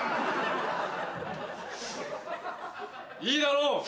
いいだろう。